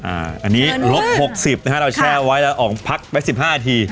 อ่าอันนี้ลบหกสิบนะคะเราแชร์ไว้แล้วออกพักไปสิบห้านาที